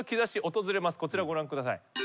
こちらご覧ください。